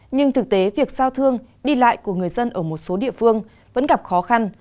nhưng thực tế việc giao thương đi lại của người dân ở một số địa phương vẫn gặp khó khăn